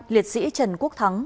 hai liệt sĩ trần quốc thắng